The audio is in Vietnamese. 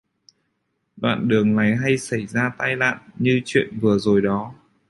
Đoạn đường này hay xảy ra tai nạn như chuyện vừa rồi đó